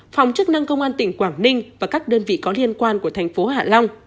phòng chức năng công an tỉnh quảng ninh và các đơn vị có liên quan của thành phố hạ long